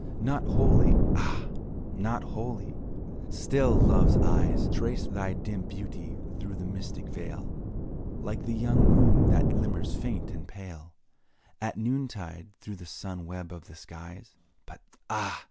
Not wholly ah! not wholly still Love's eyes Trace thy dim beauty through the mystic veil, Like the young moon that glimmers faint and pale, At noontide through the sun web of the skies; But ah!